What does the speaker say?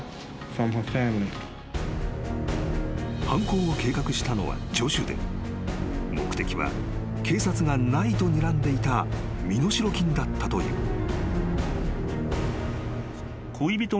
［犯行を計画したのはジョシュで目的は警察がないとにらんでいた身代金だったという］